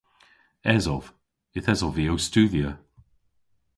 Esov. Yth esov vy ow studhya.